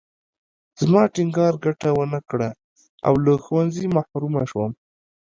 زما ټینګار ګټه ونه کړه او له ښوونځي محرومه شوم